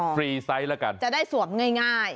ฟรีไซส์แล้วกันจะได้สวมง่าย